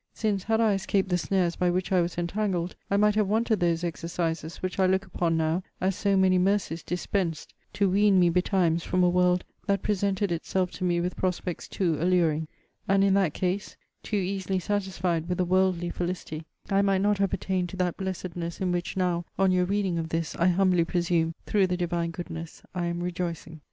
Since, had I escaped the snares by which I was entangled, I might have wanted those exercises which I look upon now as so many mercies dispensed to wean me betimes from a world that presented itself to me with prospects too alluring; and in that case (too easily satisfied with the worldly felicity) I might not have attained to that blessedness, in which now, on your reading of this, I humbly presume, (through the divine goodness,) I am rejoicing.